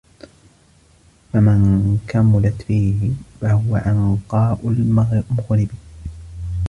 فَمَنْ كَمُلَتْ فِيهِ فَهُوَ عَنْقَاءُ مُغْرِبٍ